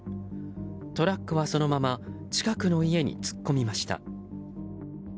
トラックはそのまま近くの家に突っ込みました。